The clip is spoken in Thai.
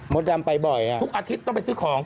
ดำไปบ่อยทุกอาทิตย์ต้องไปซื้อของ